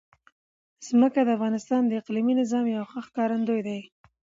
ځمکه د افغانستان د اقلیمي نظام یوه ښه ښکارندوی ده.